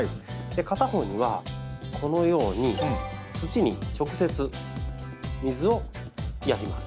片方にはこのように土に直接水をやります。